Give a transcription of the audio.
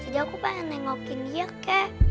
jadi aku pengen nengokin dia kek